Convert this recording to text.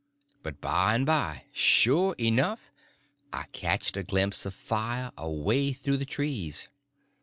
But by and by, sure enough, I catched a glimpse of fire away through the trees.